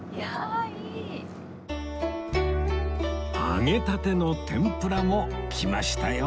揚げたての天ぷらも来ましたよ